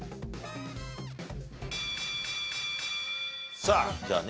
さあじゃあね